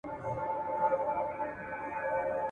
هم د پېغلوټو هم جینکیو ..